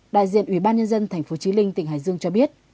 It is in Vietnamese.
đại diện ủy ban nhân dân tp trí linh tỉnh hải dương cho biết